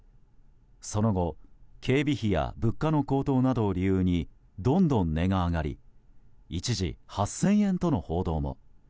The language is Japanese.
その後、警備費や物価の高騰などを理由にどんどん値が上がり一時８０００円との報道も。